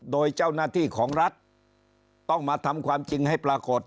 โดยเจ้าหน้าที่ของรัฐต้องมาทำความจริงให้ปรากฏ